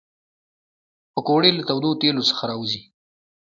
پکورې له تودو تیلو څخه راوزي